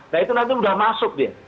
nah itu nanti sudah masuk nih